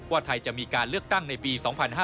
ว่าไทยจะมีการเลือกตั้งในปี๒๕๕๙